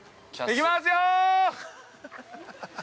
行きますよ！